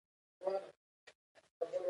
خو په دواړو کې د کلتور مبارزه لیدل کیږي.